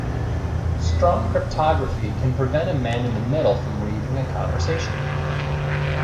Strong cryptography can prevent a man in the middle from reading a conversation.